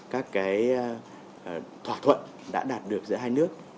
các cái thỏa thuận đã đạt được giữa hai nước